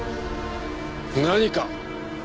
何か？